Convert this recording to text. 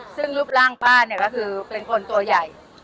ซึ่งรูปร่างป้าเนี่ยก็คือเป็นคนตัวใหญ่